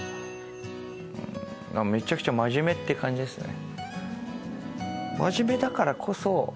めちゃくちゃ真面目って感じですね。